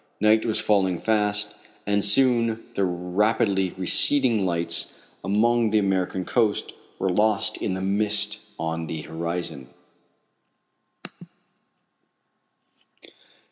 Night was falling fast, and soon the rapidly receding lights along the American coast were lost in the mist on the horizon.